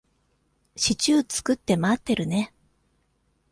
シチュー作って待ってるね。